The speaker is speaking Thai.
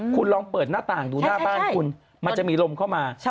คุณลองเปิดหน้าต่างดูหน้าบ้านคุณมันจะมีลมเข้ามา